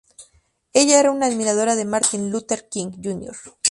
Ella era una admiradora de Martin Luther King, Jr.